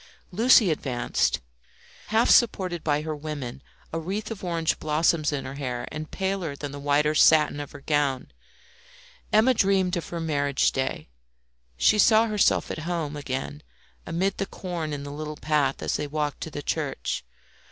Lucie advanced, half supported by her women, a wreath of orange blossoms in her hair, and paler than the white satin of her gown. Emma dreamed of her marriage day; she saw herself at home again amid the corn in the little path as they walked to the church.